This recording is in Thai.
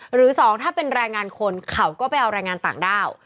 หรือสองถ้าเป็นแรงงานคนเขาก็ไปเอาแรงงานต่างด้าว